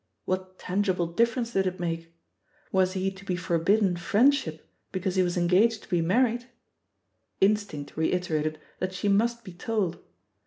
What tangible difference did it make? Was he to be forbidden friendship because he was engaged to be married? •.. Instinct re iterated that she must be told.